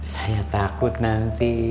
saya takut nanti